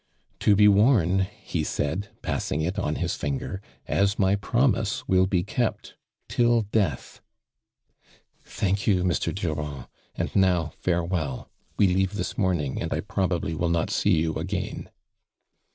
"To be worn," he said, |>a8sing it on his tinger, " as my promise will be kept — till death!" " Thank you, Mr. Durand, and now, fare well. We leave thi« morning, and I probably will not see you again."